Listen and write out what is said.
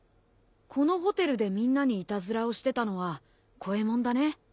このホテルでみんなにいたずらをしてたのはコエモンだね。